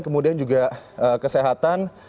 kemudian juga kesehatan